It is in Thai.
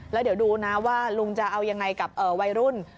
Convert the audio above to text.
แล้วเดี๋ยวดูนะว่าลุงจะเอายังไงกับวัยรุ่น